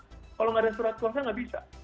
kalau tidak ada surat puasa tidak bisa